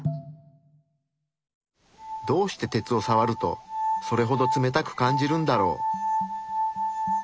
どうして鉄をさわるとそれほど冷たく感じるんだろう？